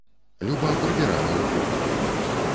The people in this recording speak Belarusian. Люба прыбірала ў кухні.